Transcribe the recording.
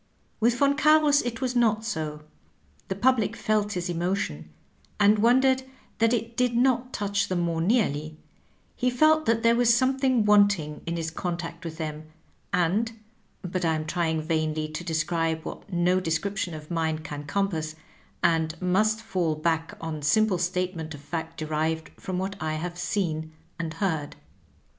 With Yon Carus it was not so ; the public felt his emotion, and wondered that it did not touch them more nearly ; he felt that there was something wanting in his contact with them, and — ^but I am trying vainly to describe what no description of mine can compass, and must fall back, on simple statement of fact derived from what I have seen and heard.